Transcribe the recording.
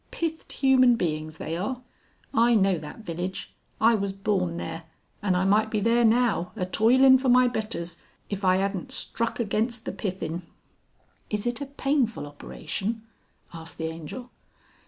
Pithed human beings they are. I know that village. I was born there, and I might be there now, a toilin' for my betters, if I 'adnt struck against the pithin'." "Is it a painful operation?" asked the Angel.